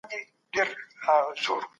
انسان د علم په مرسته ډېر څه موندلي دي.